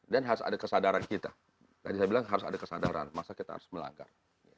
dan harus ada kesadaran kita tadi saya bilang harus ada kesadaran masa kita harus melanggar